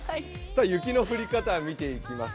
雪の降り方を見ていきます。